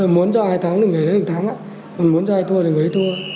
muốn cho ai thắng thì người ấy thắng muốn cho ai thua thì người ấy thua